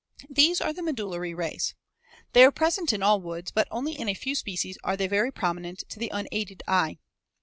These are the medullary rays. They are present in all woods, but only in a few species are they very prominent to the unaided eye.